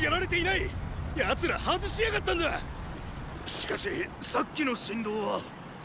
しかしさっきの震動は。